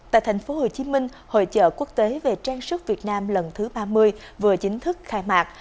tại tp hcm hội trợ quốc tế về trang sức việt nam lần thứ ba mươi vừa chính thức khai mạc